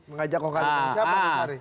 mengajak kong kali kong siapa nih sari